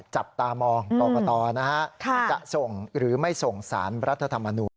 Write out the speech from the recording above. จากนั้นได้ส่งสามรัฐธรรมนูล